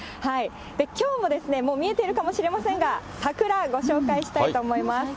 きょうは、もう見えているかもしれませんが、桜、ご紹介したいと思います。